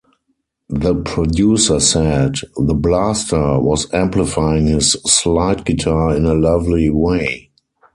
The producer said: The blaster was amplifying his slide guitar in a lovely way.